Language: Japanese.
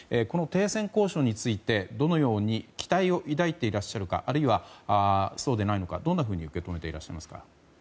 この停戦交渉についてどのように期待を抱いていらっしゃるかあるいはそうでないのかどんなふうに受け止めてらっしゃいますか。